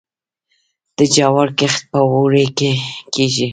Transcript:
د جوارو کښت په اوړي کې کیږي.